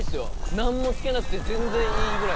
何もつけなくて全然いいぐらい。